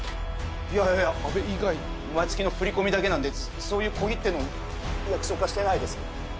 いやいや毎月の振り込みだけなんでそういう小切手の約束はしてないです。